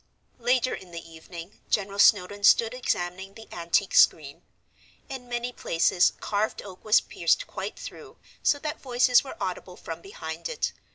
Later in the evening General Snowdon stood examining the antique screen. In many places carved oak was pierced quite through, so that voices were audible from behind it.